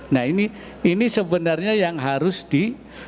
nah ini sebenarnya yang harus di